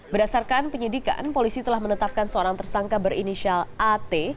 berdasarkan penyidikan polisi telah menetapkan seorang tersangka berinisial at